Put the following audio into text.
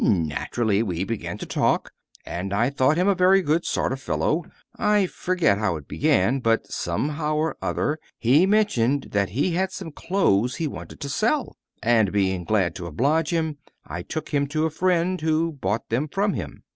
Naturally we began to talk; and I thought him a very good sort of a fellow. I forget how it began, but somehow or other he mentioned that he had some clothes he wanted to sell; and being glad to oblige him, I took him to a friend, who bought them from him.